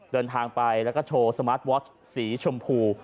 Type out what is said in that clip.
เดินทางไปแล้วก็โชว์สมาร์ทวอชสีชมพู